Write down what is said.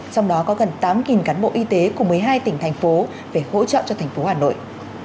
trong đó có gần tám cán bộ y tế của một mươi hai tỉnh thành phố về hỗ trợ cho thành phố hà nội